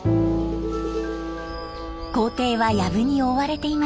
校庭はやぶに覆われていました。